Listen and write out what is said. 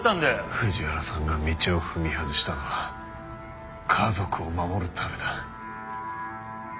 藤原さんが道を踏み外したのは家族を守るためだ。